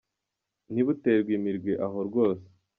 Ntibuterwe imirwi aho rwose